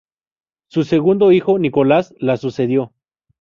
Su segundo hijo, Nicolás, la sucedió.